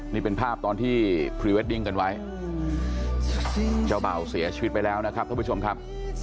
นี่เป็นภาพตอนที่พรีเวดดิ้งกันไว้เจ้าเบ่าเสียชีวิตไปแล้วนะครับท่านผู้ชมครับ